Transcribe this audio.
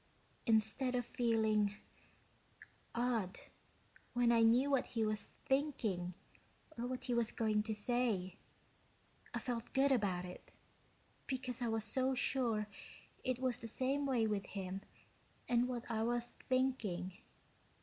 Instead of feeling ... odd ... when I knew what he was thinking or what he was going to say, I felt good about it, because I was so sure it was the same way with him and what I was thinking.